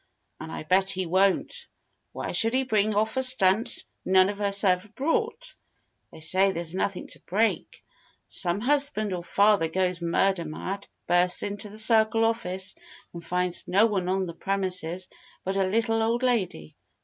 "And I bet he won't. Why should he bring off a stunt none of us ever brought? They say there's nothing to break. Some husband or father goes murder mad, bursts into the Circle office, and finds no one on the premises but a little old lady.